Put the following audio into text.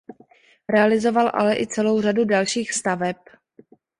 Realizoval ale i celou řadu dalších staveb.